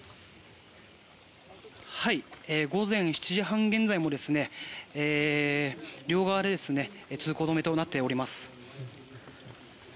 はい、午前７時半現在も両側で通行止めとなっております。